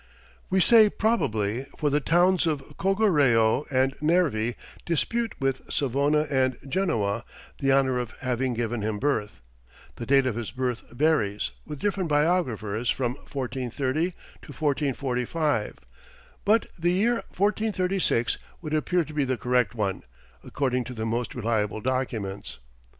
We say "probably," for the towns of Cogoreo and Nervi dispute with Savona and Genoa, the honour of having given him birth. The date of his birth varies, with different biographers, from 1430 to 1445, but the year 1436 would appear to be the correct one, according to the most reliable documents.